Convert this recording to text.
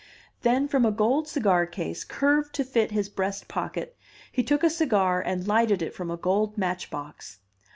Then from a gold cigar case, curved to fit his breast pocket, he took a cigar and lighted it from a gold match box.